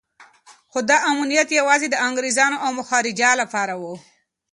خو دا امنیت یوازې د انګریزانو او مهاراجا لپاره و.